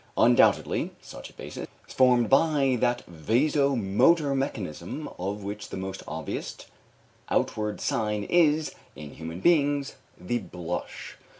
Undoubtedly such a basis is formed by that vasomotor mechanism of which the most obvious outward sign is, in human beings, the blush.